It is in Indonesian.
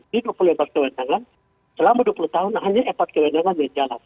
di dua puluh empat kewenangan selama dua puluh tahun hanya empat kewenangan dia jalan